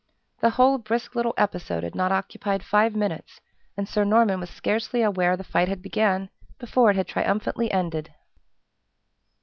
The whole brisk little episode had not occupied five minutes, and Sir Norman was scarcely aware the fight had began before it had triumphantly ended.